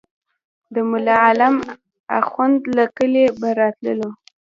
د ملا عالم اخند له کلي به راتللو.